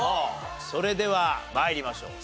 それでは参りましょう。